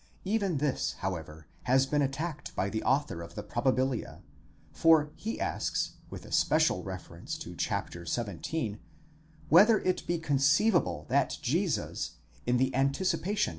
15 Even this, however, has been attacked by the author of the Probabilia, for he asks, with especial re ference to chap. xvii., whether it be conceivable that Jesus in the anticipation